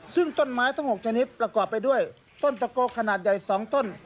ซึ่งต้นไม้ทั้ง๖ชนิดประกอบไปด้วยต้นตะโกขนาดใหญ่๒ต้น